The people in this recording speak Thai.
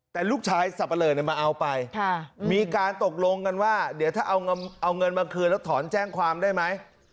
แต่ลูกชายสับปะเลอมาเอาไปมีการตกลงกันว่าเดี๋ยวถ้าเอาเงินมาคืนแล้วถอนแจ้งความได้ไหม